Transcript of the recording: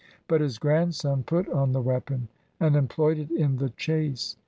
But his grand son put on the weapon, and employed it in the chase.